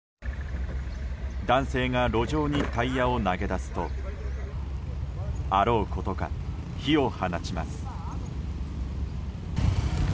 男性が路上にタイヤを投げ出すとあろうことか火を放ちます。